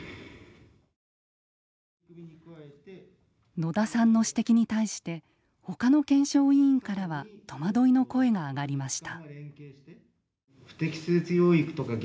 野田さんの指摘に対してほかの検証委員からは戸惑いの声が上がりました。